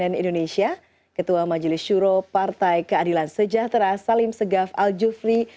cnn indonesia ketua majelis syuro partai keadilan sejahtera salim segaf al jufri